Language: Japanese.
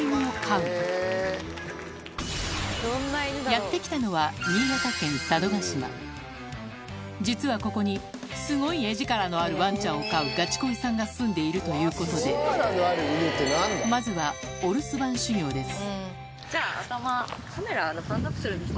やって来たのは実はここにすごい画力のあるワンちゃんを飼うガチ恋さんが住んでいるということでまずはお留守番修業です